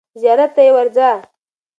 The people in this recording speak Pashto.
زیارت ته یې ورځه.